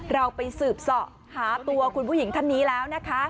เราไปสืบเสาะหาตัวคุณผู้หญิงท่านนี้แล้วนะคะ